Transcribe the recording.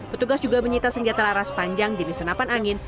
petugas juga menyita senjata laras panjang jenis senapan angin